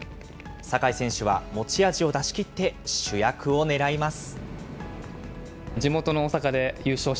坂井選手は持ち味を出し切って、主役をねらいます。